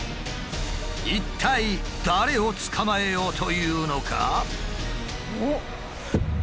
一体誰を捕まえようというのか？